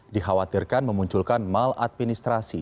dikhawatirkan memunculkan maladministrasi